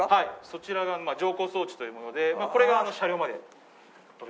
そちらが乗降装置というものでこれが。